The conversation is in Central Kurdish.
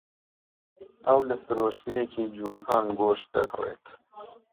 ئەو لە فرۆشگەیەکی جووەکان گۆشت دەکڕێت.